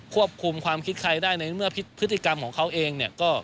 ควบคุมความคิดใครได้ในเมื่อพฤติกรรมของเขาเองเนี่ยก็